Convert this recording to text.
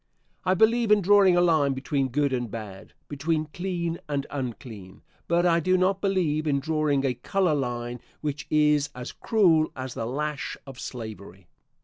I believe in drawing a line between good and bad, between clean and unclean, but I do not believe in drawing a color line which is as cruel as the lash of slavery.